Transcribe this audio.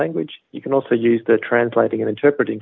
anda juga bisa menggunakan servis penerjemah dan penerjemah